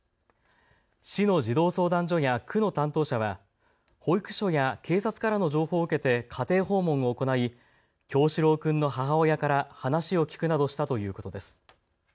市の児童相談所や区の担当者は保育所や警察からの情報を受けて家庭訪問を行い、叶志郎君の母親から話を聞くなどしたということです。